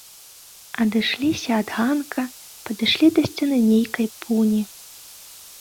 Адышліся ад ганка, падышлі да сцяны нейкай пуні.